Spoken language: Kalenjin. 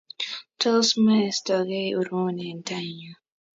Tos moistokei urwoni eng tainyu?